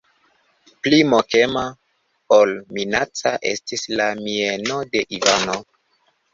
Pli mokema ol minaca estis la mieno de Ivano.